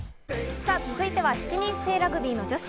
さぁ続いては７人制ラグビーの女子。